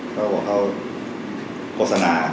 เขาบอกเขาโฆษณา